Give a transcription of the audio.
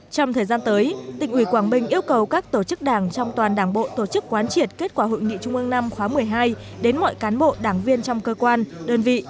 trong thời gian tới tỉnh ủy quảng bình yêu cầu các tổ chức đảng trong toàn đảng bộ tổ chức quán triệt kết quả hội nghị trung ương năm khóa một mươi hai đến mọi cán bộ đảng viên trong cơ quan đơn vị